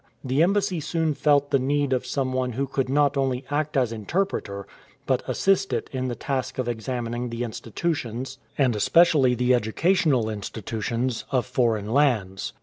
The embassy soon felt the need of some one who could not only act as interpreter, but assist it in the task of examining the institutions, 56 THE MIKADO'S EMBASSY and especially the educational institutions, of foreign lands.